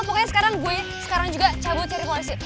pokoknya sekarang gue sekarang juga cabut cari ponset